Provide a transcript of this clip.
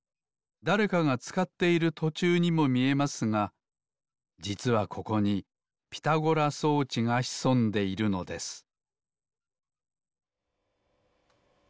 だれかがつかっているとちゅうにもみえますがじつはここにピタゴラ装置がひそんでいるのです